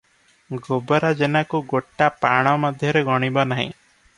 ଗୋବରା ଜେନାକୁ ଗୋଟା ପାଣ ମଧ୍ୟରେ ଗଣିବ ନାହିଁ ।